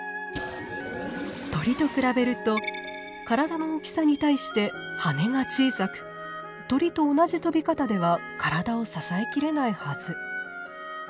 鳥と比べると体の大きさに対して羽が小さく鳥と同じ飛び方では体を支え切れないはず。